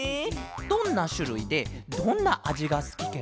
どんなしゅるいでどんなあじがすきケロ？